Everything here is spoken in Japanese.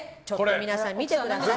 皆さん見てください。